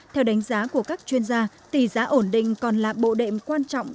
theo đánh giá của các chuyên gia tỷ giá ổn định còn là bộ đệm quan trọng